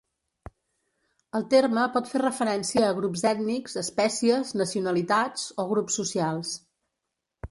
El terme pot fer referència a grups ètnics, espècies, nacionalitats o grups socials.